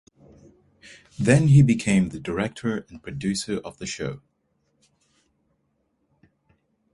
Then he became the director and producer of the show.